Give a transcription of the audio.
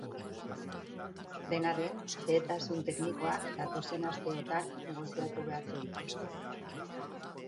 Dena den, xehetasun teknikoak datozen asteotan negoziatu beharko dituzte.